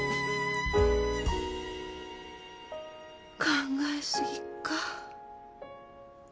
考え過ぎか。